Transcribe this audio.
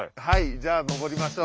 じゃあ登りましょう。